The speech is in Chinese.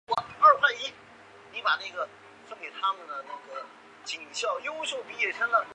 钟家村是武汉地铁网络中第三个同站台平行换乘站。